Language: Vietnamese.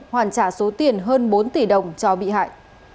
hoàn trả số tiền hơn bốn tỷ đồng cho bị hại